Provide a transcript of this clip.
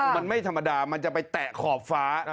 มันไม่ธรรมดามันจะไปแตะขอบฟ้า